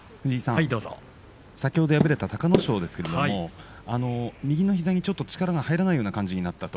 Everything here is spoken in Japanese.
先ほど敗れた隆の勝ですけれども右の膝にちょっと力が入らないような感じになったと。